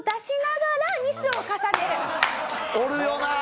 おるよなあ！